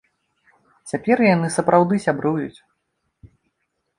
Цяпер яны сапраўды сябруюць.